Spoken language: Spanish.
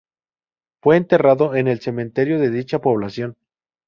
Fue enterrado en el cementerio de dicha población.